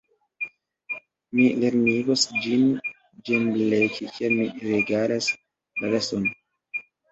Mi lernigos ĝin ĝembleki, kiam mi regalas la gaston!